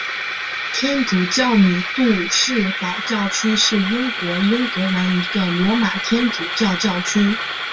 天主教米杜士堡教区是英国英格兰一个罗马天主教教区。